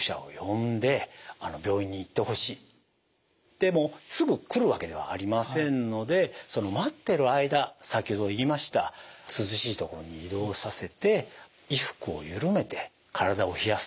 でもすぐ来るわけではありませんのでその待ってる間先ほど言いました涼しい所に移動させて衣服をゆるめて体を冷やす。